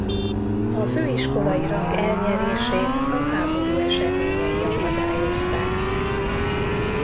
A főiskolai rang elnyerését a háború eseményei akadályozták meg.